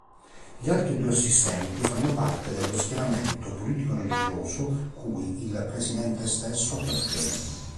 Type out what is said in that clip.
Gli altri due Assistenti fanno parte dello schieramento politico-religioso cui il Presidente stesso appartiene.